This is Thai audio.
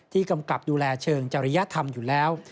กำกับดูแลเชิงจริยธรรมอยู่แล้ว